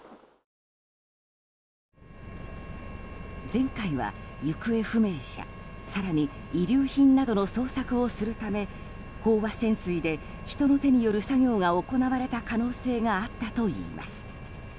前回は行方不明者更に遺留品などの捜索をするため、飽和潜水で人の手による作業が行われた可能性があったといいます。